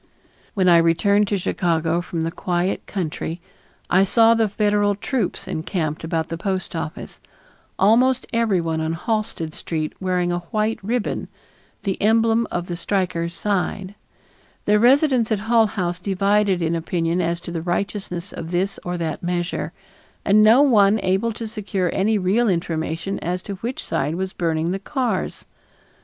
When I returned to Chicago from the quiet country I saw the Federal troops encamped about the post office; almost everyone on Halsted Street wearing a white ribbon, the emblem of the strikers' side; the residents at Hull House divided in opinion as to the righteousness of this or that measure; and no one able to secure any real information as to which side was burning the cars.